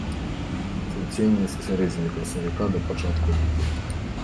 Цвіценне з сярэдзіны красавіка да пачатку ліпеня.